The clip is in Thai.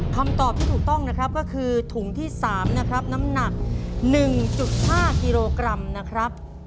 คำตอบที่ถูกต้องนะครับก็คือถุงที่๓นะครับน้ำหนัก๑๕กิโลกรัมนะครับ